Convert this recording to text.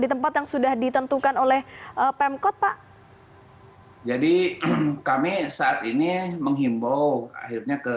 di tempat yang sudah ditentukan oleh pemkot pak jadi kami saat ini menghimbau akhirnya ke